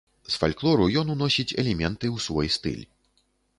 З фальклору ён уносіць элементы ў свой стыль.